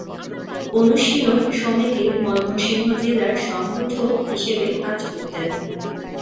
অনুশীলন সমিতির ময়মনসিংহ জেলার সংগঠক হিসেবে কাজ করতেন।